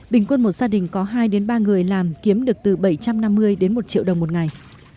bình quân một gia đình có hai đến ba người làm kiếm được từ bảy trăm năm mươi đến một triệu đồng một ngày